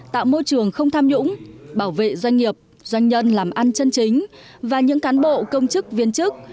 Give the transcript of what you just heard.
tạo môi trường không tham nhũng bảo vệ doanh nghiệp doanh nhân làm ăn chân chính và những cán bộ công chức viên chức